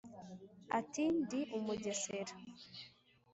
ati ndi umugesera